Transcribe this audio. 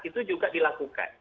itu juga dilakukan